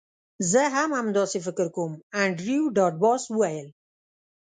زه هم همداسې فکر کوم انډریو ډاټ باس وویل